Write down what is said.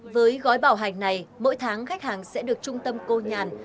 với gói bảo hành này mỗi tháng khách hàng sẽ được trung tâm cô nhàn